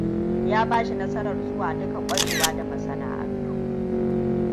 Ya bashi nasarar zuwa duka kwarewa da masana'antu.